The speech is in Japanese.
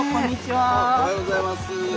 おはようございます。